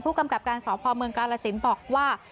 ผู้กำกับการสอบภอมเมืองกาลสินบอกว่า